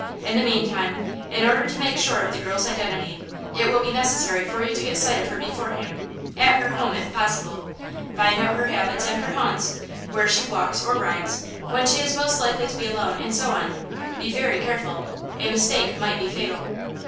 In the meantime, in order to make sure of the girl's identity, it will be necessary for you to get sight of her beforehand, at her home, if possible–find out her habits and her haunts–where she walks, or rides, when she is most likely to be alone, and so on. Be very careful! A mistake might be fatal."